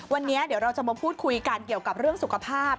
วันนี้เดี๋ยวเราจะมาพูดคุยกันเกี่ยวกับเรื่องสุขภาพ